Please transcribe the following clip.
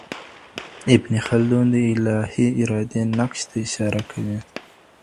ابن خلدون د الهي ارادې نقش ته اشاره کوي.